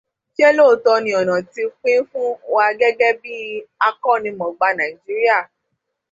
Ṣé lóòtọ́ ni ọ̀nà ti pin fún wa gẹ́gẹ́ bí akọ́nimọ̀ọ́gbá Nàíjíríà?